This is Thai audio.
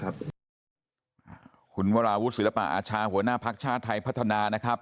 คุณวราวุฒิศิลปะอาชาหัวหน้าภักดิ์ชาติไทยพัฒนานะครับ